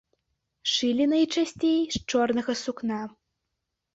Шылі найчасцей з чорнага сукна.